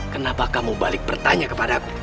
kenapa kamu balik bertanya kepada aku